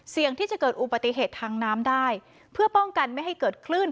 ที่จะเกิดอุบัติเหตุทางน้ำได้เพื่อป้องกันไม่ให้เกิดคลื่น